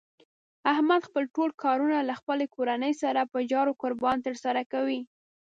احمد خپل ټول کارونه له خپلې کورنۍ سره په جار قربان تر سره کوي.